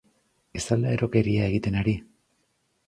Ez al da erokeria egiten ari?